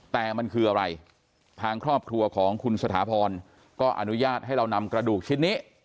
แต่มันคืออะไรทางครอบครัวของคุณสถาพรก็อนุญาตให้เรานำกระดูกชิ้นนี้